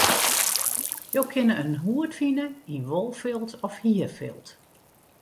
Jo kinne in hoed fine yn wolfilt of hierfilt.